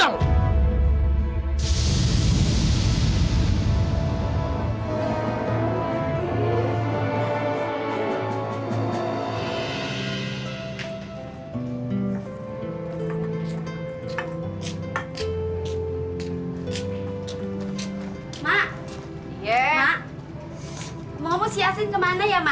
mau ngomong si yasin kemana ya